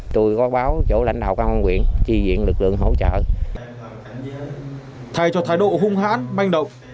thay cho thái độ hung hãn manh động